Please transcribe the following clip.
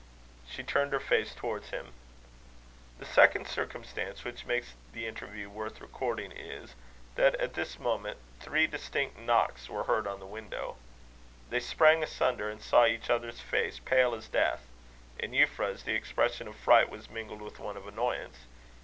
She turned her face towards him. The second circumstance which makes the interview worth recording is, that, at this moment, three distinct knocks were heard on the window. They sprang asunder, and saw each other's face pale as death. In Euphra's, the expression of fright was mingled with one of annoyance.